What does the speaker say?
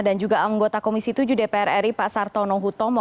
dan juga anggota komisi tujuh dpr ri pak sarto nohutomo